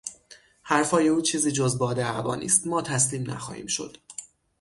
حرفهای او چیزی جز باد هوا نیست; ما تسلیم نخواهیم شد.